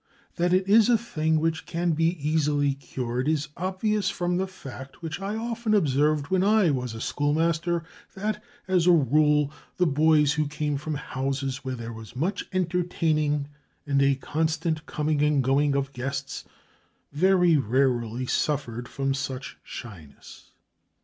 That it is a thing which can be easily cured is obvious from the fact which I often observed when I was a schoolmaster, that as a rule the boys who came from houses where there was much entertaining, and a constant coming and going of guests, very rarely suffered from such shyness.